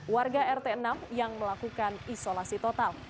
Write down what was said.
warga rt enam yang melakukan isolasi total